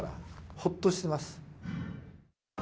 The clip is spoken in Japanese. ほっとしてます。